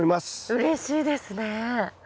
うれしいですね。